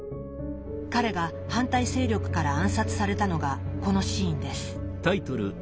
彼が反対勢力から暗殺されたのがこのシーンです。